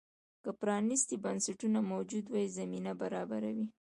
که پرانیستي بنسټونه موجود وي، زمینه برابروي.